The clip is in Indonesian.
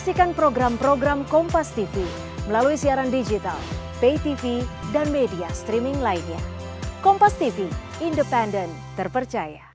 iya nongkrong mereka sering kumpul aja